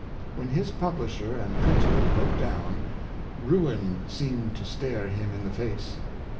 When his publisher and printer broke down, ruin seemed to stare him in the face.